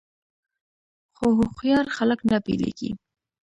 خو هوښیار خلک نه بیلیږي.